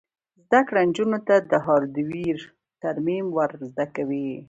زده کړه نجونو ته د هارډویر ترمیم ور زده کوي.